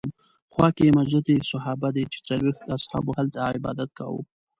خوا کې یې مسجد صحابه دی چې څلوېښت اصحابو هلته عبادت کاوه.